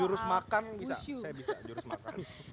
jurus makan bisa saya bisa jurus makan